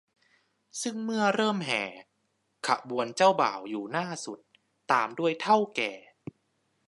ซึ่งเมื่อเริ่มแห่ ขบวนเจ้าบ่าวอยู่หน้าสุด ตามด้วยเถ้าแก่